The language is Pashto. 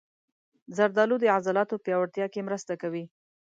زردالو د عضلاتو پیاوړتیا کې مرسته کوي.